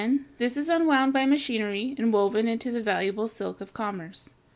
This is unwound by machinery and woven into the valuable silk of commerce.